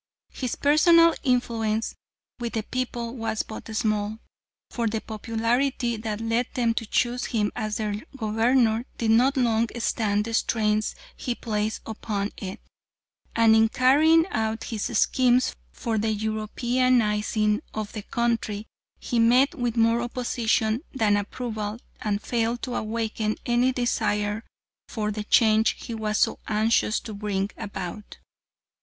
His personal influence with the people was but small, for the popularity that led them to choose him as their Governor did not long stand the strains he placed upon it, and in carrying out his schemes for the Europeanising of the country he met with more opposition than approval and failed to awaken any desire for the change he was so anxious to bring about.